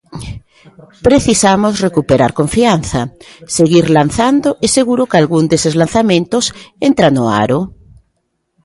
Precisamos recuperar confianza, seguir lanzando e seguro que algún deses lanzamentos entra no aro.